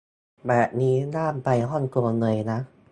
แบบนี้ห้ามไปฮ่องกงเลยนะ